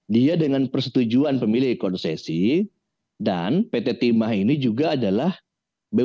dia dengan persetujuan pemilih konsesi dan pt timah ini juga adalah bumn